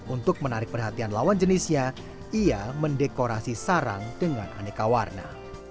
untuk menarik perhatian lawan jenisnya ia mendekorasi sarang dengan aneka warna